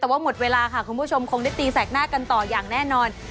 แต่ว่าหมดเวลาค่ะคุณผู้ชมคงได้ตีแสกหน้ากันต่ออย่างแน่นอน